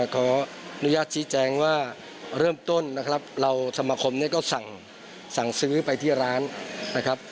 ขออนุญาตชี้แจงว่าเริ่มต้นนะครับเราสมาคมเนี่ยก็สั่งซื้อไปที่ร้านนะครับ